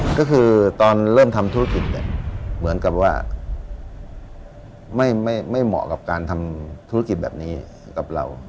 ก็คือตอนเริ่มทำธุรกิจเนี่ยเหมือนกับว่าไม่เหมาะกับการทำธุรกิจแบบนี้กับเรา